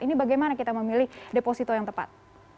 ini bagaimana kita memilih deposito yang tepat